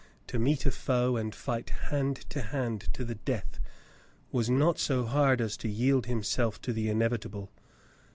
To meet a foe and fight hand to hand to the death was not so hard as to yield himself to the inevitable.